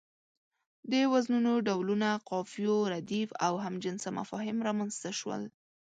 د وزنونو ډولونه، قافيو، رديف او هم جنسه مفاهيم رامنځ ته شول.